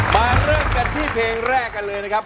เริ่มกันที่เพลงแรกกันเลยนะครับ